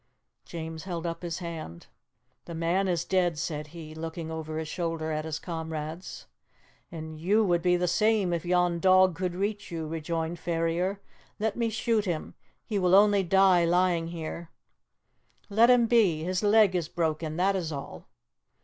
James held up his hand. "The man is dead," said he, looking over his shoulder at his comrades. "And you would be the same if yon dog could reach you," rejoined Ferrier. "Let me shoot him. He will only die lying here." "Let him be. His leg is broken, that is all."